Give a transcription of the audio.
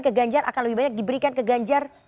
ke ganjar akan lebih banyak diberikan ke ganjar